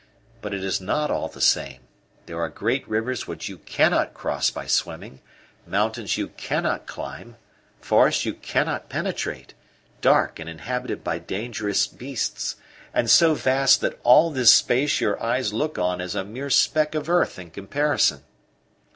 But it is not all the same. There are great rivers which you cannot cross by swimming; mountains you cannot climb; forests you cannot penetrate dark, and inhabited by dangerous beasts, and so vast that all this space your eyes look on is a mere speck of earth in comparison."